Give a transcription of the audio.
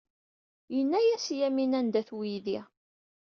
Yenna-as i Yamina anda-t weydi.